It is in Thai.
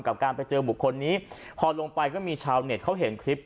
กับการไปเจอบุคคลนี้พอลงไปก็มีชาวเน็ตเขาเห็นคลิป